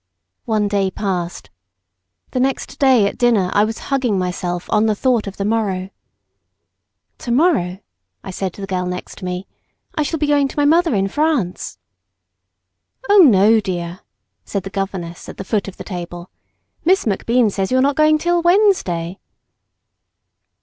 One day passed. The next day at dinner I was hugging myself on the thought of the morrow. "To morrow," I said to the girl next to me, "I shall be going to my mother in France." "Oh, no, dear!" said the governess at the foot of the table. "Miss MacBean says you're not going till Wednesday."